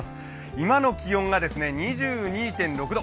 今の気温が２２．６度。